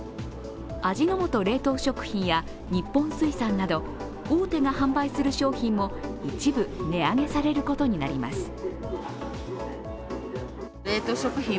味の素冷凍食品や日本水産など大手が販売する商品も一部値上げされることになります。